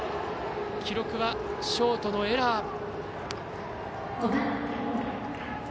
記録はショートのエラー。